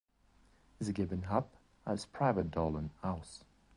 Sie geben Hap als Private Dolan aus.